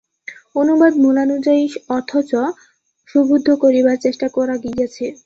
অনুবাদ মূলানুযায়ী অথচ সুবোধ্য করিবার চেষ্টা করা গিয়াছে।